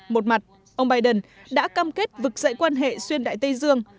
một mặt ông biden đã cam kết vực dậy quan hệ xuyên đại tây dương